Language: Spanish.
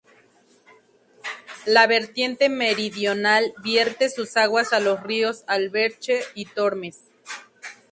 La vertiente meridional vierte sus aguas a los ríos Alberche y Tormes.